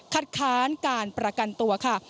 ค้านการประกันตัวค่ะ